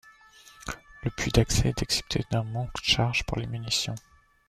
Le puits d'accès est équipé d'un monte-charges pour les munitions.